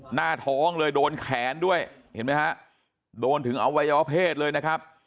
หน้าท้องเลยโดนแขนด้วยเห็นไหมฮะโดนถึงอวัยวเพศเลยนะครับ